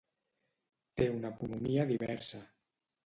Té una economia diversa.